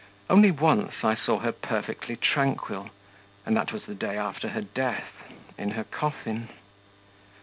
Only once I saw her perfectly tranquil, and that was the day after her death, in her coffin.